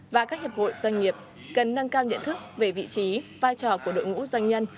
và các hiệp hội doanh nghiệp cần nâng cao nhận thức về vị trí vai trò của đội ngũ doanh nhân